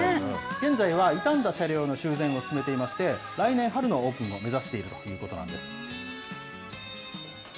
現在は傷んだ車両の修繕を進めていまして、来年春のオープンを目指しているということなんです。